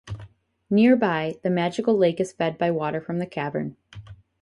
Nearby the magical lake is fed by water from the cavern.